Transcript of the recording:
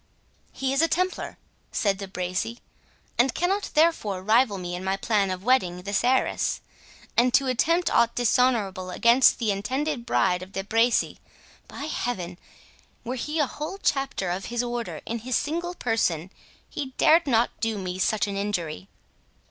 "He is a Templar," said De Bracy, "and cannot therefore rival me in my plan of wedding this heiress;—and to attempt aught dishonourable against the intended bride of De Bracy—By Heaven! were he a whole Chapter of his Order in his single person, he dared not do me such an injury!"